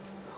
itu di sini